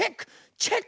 チェック！